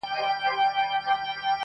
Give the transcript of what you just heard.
چي دي و وینم د تورو سترګو جنګ کي.